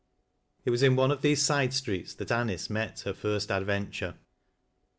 It was in one of these side streets that Anice met with her first adventure.